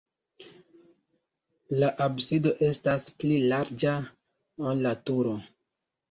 La absido estas pli larĝa, ol la turo.